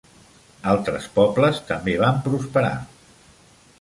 Altres pobles també van prosperar.